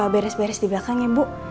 beres beres di belakang ya bu